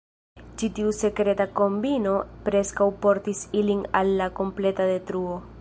Ĉi tiu sekreta kombino preskaŭ portis ilin al la kompleta detruo.